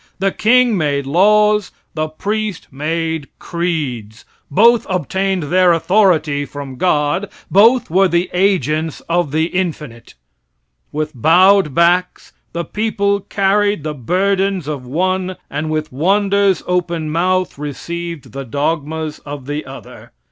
The king made laws, the priest made creeds. Both obtained their authority from God, both were the agents of the infinite. With bowed backs the people carried the burdens of one, and with wonder's open mouth received the dogmas of the other.